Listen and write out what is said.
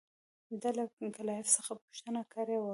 ده له کلایف څخه پوښتنه کړې وه.